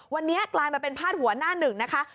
วันนี้กลายมาเป็นพาดหัวหน้าหนึ่งนะคะ